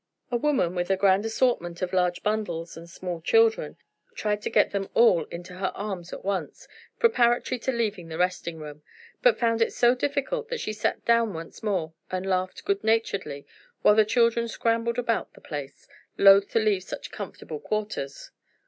A woman, with a grand assortment of large bundles and small children, tried to get them all into her arms at once, preparatory to leaving the resting room, but found it so difficult that she sat down once more and laughed good naturedly, while the children scrambled about the place, loath to leave such comfortable quarters.